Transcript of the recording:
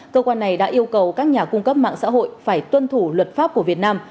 cơ quan này đã yêu cầu các nhà cung cấp mạng xã hội phải tuân thủ luật pháp của việt nam